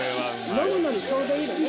飲むのにちょうどいいよね。